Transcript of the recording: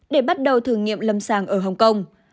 để bắt đầu thử nghiệm lâm sàng ở hong kong